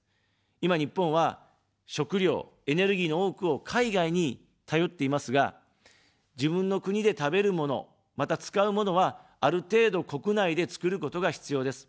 今、日本は、食料、エネルギーの多くを海外に頼っていますが、自分の国で食べるもの、また、使うものは、ある程度、国内で作ることが必要です。